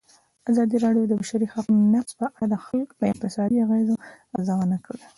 ازادي راډیو د د بشري حقونو نقض په اړه د اقتصادي اغېزو ارزونه کړې.